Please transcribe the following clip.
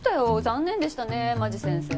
残念でしたね間地先生。